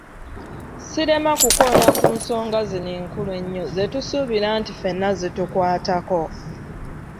Sirema kukoona ku nsonga zino enkulu ennyo zetusuubira nti fenna zitukwatako.